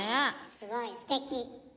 すごいすてき。ね！